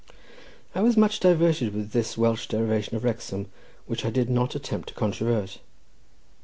I was much diverted with this Welsh derivation of Wrexham, which I did not attempt to controvert.